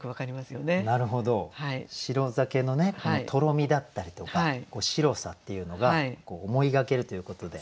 なるほど白酒のねとろみだったりとか白さっていうのが思い描けるということで。